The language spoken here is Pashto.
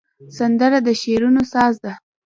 سندره د شعرونو ساز ده